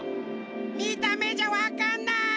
みためじゃわかんない。